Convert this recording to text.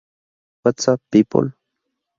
What's Up, People?!